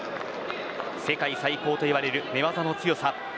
世界最高といわれる寝技の強さ。